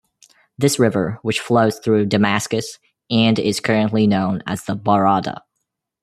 This river which flows through Damascus and is currently known as the Barada.